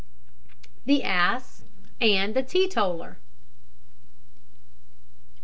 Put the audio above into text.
THE ASS AND THE TEETOTALLER.